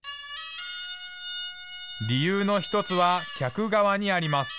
理由の１つは、客側にあります。